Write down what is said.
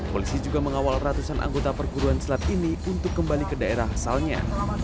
polisi juga mengawal ratusan anggota perguruan selat ini untuk kembali ke daerah asalnya